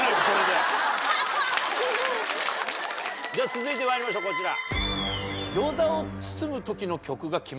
続いてまいりましょうこちら。